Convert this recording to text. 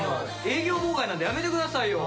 営業妨害なんでやめてくださいよ。